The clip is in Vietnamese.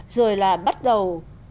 rồi là bắt đầu